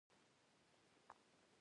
اوبه د خوب ارامتیا زیاتوي.